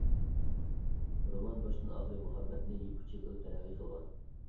رومان باشتىن-ئاخىرى مۇھەببەتنى يىپ ئۇچى قىلىپ تەرەققىي قىلغان.